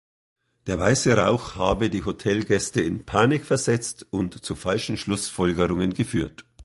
Der weiße Rauch habe die Hotelgäste in Panik versetzt und zu falschen Schlussfolgerungen geführt.